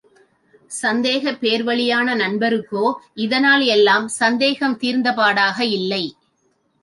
சந்தேகப் பேர்வழியான நண்பருக்கோ, இதனால் எல்லாம் சந்தேகம் தீர்ந்த பாடாக இல்லை.